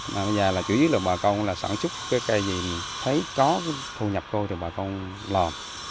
mà bây giờ là chủ yếu là bà con sản xuất cái cây gì thấy có thu nhập thôi thì bà con lo